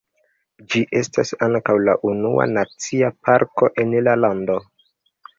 Ĝi estas ankaŭ la unua nacia parko en la lando.